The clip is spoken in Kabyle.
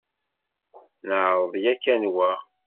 Neɛṛeḍ yakkan wa.